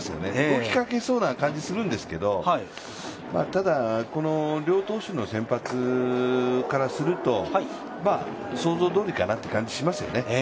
動きそうな感じはするんですけど、ただ、両投手の先発からすると、想像どおりかなという感じしますよね。